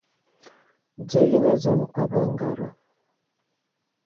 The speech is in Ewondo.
Dze bi ne dzam kɔb a angada.